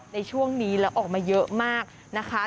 ในช่วงนี้แล้วออกมาเยอะมากนะคะ